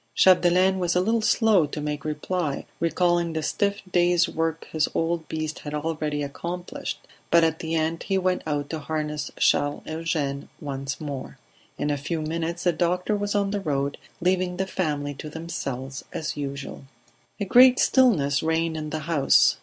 Chapdelaine was a little slow to make reply, recalling the stiff day's work his old beast had already accomplished, but at the end he went out to harness Charles Eugene once more. In a few minutes the doctor was on the road, leaving the family to themselves as usual. A great stillness reigned in the house.